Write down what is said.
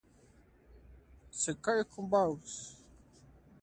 Comienza a trabajar en el ámbito de la instalación.